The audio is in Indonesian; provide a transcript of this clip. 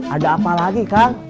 ada apa lagi kang